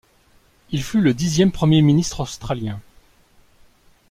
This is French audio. Il fut le dixième Premier ministre australien.